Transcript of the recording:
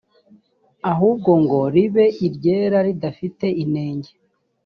ahubwo ngo ribe iryera ridafite inenge